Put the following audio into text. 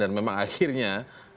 dan memang akhirnya